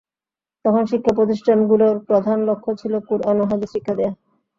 তখন শিক্ষা প্রতিষ্ঠানগুলোর প্রধান লক্ষ্য ছিল কুরআন ও হাদীস শিক্ষা দেয়া।